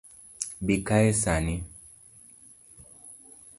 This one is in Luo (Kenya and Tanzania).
Bii kae saa ni